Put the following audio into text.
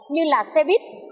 như là xe buýt